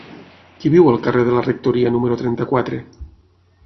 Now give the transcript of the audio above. Qui viu al carrer de la Rectoria número trenta-quatre?